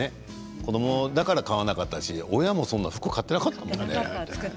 子どもだから買わなかったし親もそんなに服を作ったりとかね。